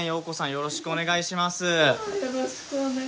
よろしくお願いします。